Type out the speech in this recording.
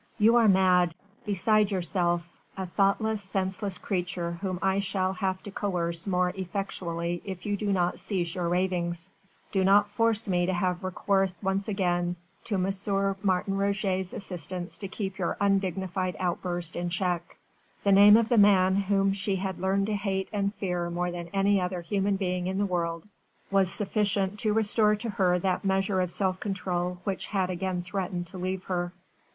"You are mad, beside yourself, a thoughtless, senseless creature whom I shall have to coerce more effectually if you do not cease your ravings. Do not force me to have recourse once again to M. Martin Roget's assistance to keep your undignified outburst in check." The name of the man whom she had learned to hate and fear more than any other human being in the world was sufficient to restore to her that measure of self control which had again threatened to leave her.